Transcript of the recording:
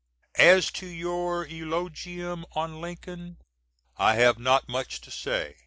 _" As to your Eulogium on Lincoln I have not much to say.